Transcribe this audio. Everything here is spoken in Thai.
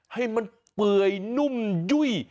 ให้มันเปื่อยนุ่มยุ่ย